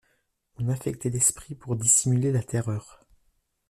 On affectait l'esprit pour dissimuler la terreur.